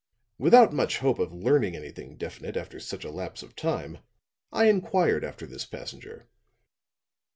Without much hope of learning anything definite after such a lapse of time, I inquired after this passenger.